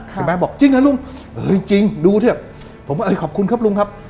เห็นไหมบอกจริงนะลุงเออจริงดูเถอะผมก็เออขอบคุณครับลุงครับ